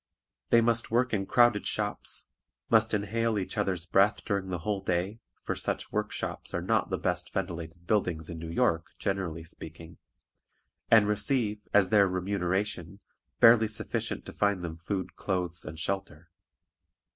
They must work in crowded shops, must inhale each other's breath during the whole day (for such work shops are not the best ventilated buildings in New York, generally speaking), and receive, as their remuneration, barely sufficient to find them food, clothes, and shelter.